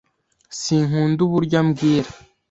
Sinkunda uburyo ambwira.